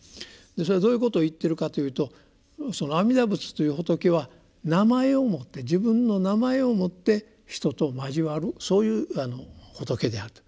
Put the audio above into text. それはどういうことを言ってるかというとその阿弥陀仏という仏は名前をもって自分の名前をもって人と交わるそういう仏であると。